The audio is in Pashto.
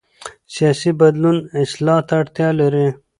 سیاسي بدلون اصلاح ته اړتیا لري